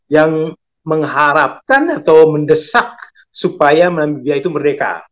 yang mengharapkan atau mendesak supaya biaya itu merdeka